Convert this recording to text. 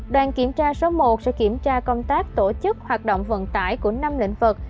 đoàn kiểm tra số một sẽ kiểm tra công tác tổ chức hoạt động vận tải của năm lĩnh vực